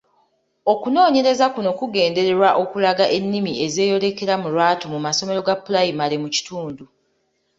Okunoonyereza kuno kwagendererwa okulaga ennimi ezeeyolekera mu lwatu mu masomero ga pulayimale mu kitundu.